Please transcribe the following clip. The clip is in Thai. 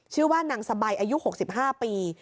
ชื่อว่านางสบายอายุ๖๕ปี